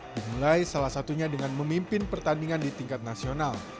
dimulai salah satunya dengan memimpin pertandingan di tingkat nasional